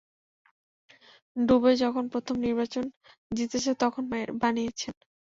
ডুবে যখন প্রথম নির্বাচন জিতেছে তখন বানিয়েছে।